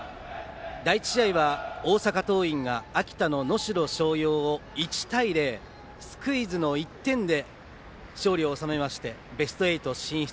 第１試合は大阪桐蔭が秋田の能代松陽を１対０スクイズの１点で勝利を収めましてベスト８進出。